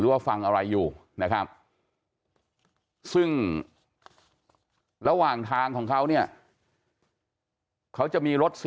ว่าฟังอะไรอยู่นะครับซึ่งระหว่างทางของเขาเนี่ยเขาจะมีรถ